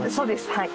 はい。